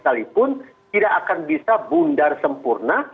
sekalipun tidak akan bisa bundar sempurna